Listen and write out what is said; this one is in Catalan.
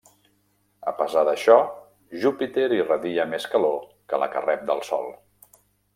A pesar d'això, Júpiter irradia més calor que la que rep del Sol.